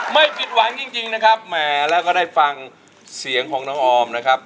ไม่ผิดหวังจริงนะครับแหมแล้วก็ได้ฟังเสียงของน้องออมนะครับ